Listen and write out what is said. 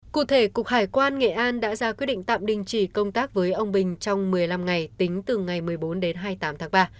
cụ thể cục hải quan nghệ an đã ra quyết định tạm đình chỉ công tác với ông bình trong một mươi năm ngày tính từ ngày một mươi bốn đến hai mươi tám tháng ba